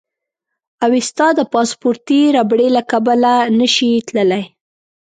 اوېستا د پاسپورتي ربړې له کبله نه شي تللی.